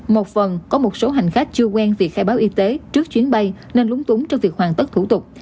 một phần có một số hành khách chưa quen việc khai báo y tế trước chuyến bay nên lúng túng trong việc hoàn tất thủ tục